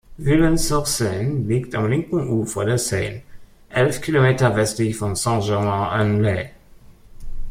Villennes-sur-Seine liegt am linken Ufer der Seine, elf Kilometer westlich von Saint-Germain-en-Laye.